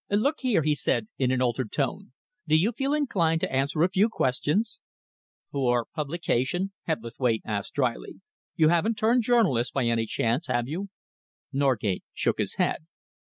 "Look here," he said, in an altered tone, "do you feel inclined to answer a few questions?" "For publication?" Hebblethwaite asked drily. "You haven't turned journalist, by any chance, have you?" Norgate shook his head.